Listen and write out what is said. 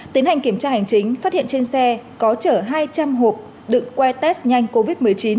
tiến hành kiểm tra hành chính phát hiện trên xe có chở hai trăm linh hộp đựng quay test nhanh covid một mươi chín